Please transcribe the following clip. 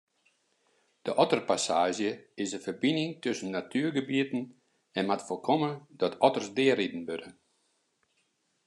De otterpassaazje is in ferbining tusken natuergebieten en moat foarkomme dat otters deariden wurde.